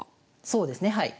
そうですねはい。